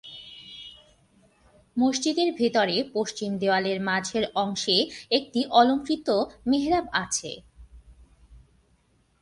মসজিদের ভিতরে পশ্চিম দেয়ালের মাঝের অংশে একটি অলংকৃত মেহরাব আছে।